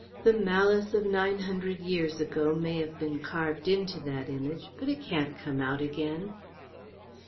The malice of nine hundred years ago may have been carved into that Image, but it can't come out again."